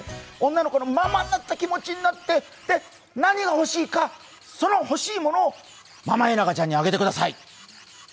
女の子のママになった気持ちになって何がほしいか、その欲しいものをママエナガちゃんにあげてください。